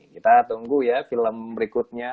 kita tunggu ya film berikutnya